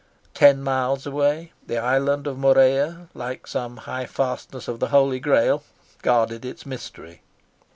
Ten miles away the island of Murea, like some high fastness of the Holy Grail, guarded its mystery.